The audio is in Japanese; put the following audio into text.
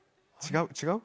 違う？